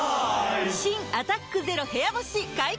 新「アタックＺＥＲＯ部屋干し」解禁‼